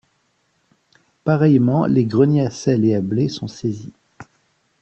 Pareillement, les greniers à sel et à blé sont saisis.